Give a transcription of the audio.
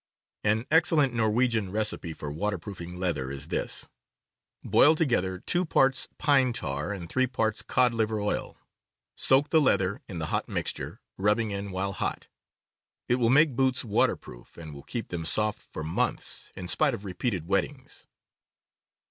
An excellent Norwegian recipe for waterproofing leather is this: Boil together two parts pine tar and three parts cod liver oil. Soak the leather in the hot mixture, rubbing in while hot. It will make boots waterproof, and will keep them soft for months, in spite of repeated wettings.